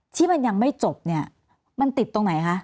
ที่มันยังไม่จบมันติดตรงไหน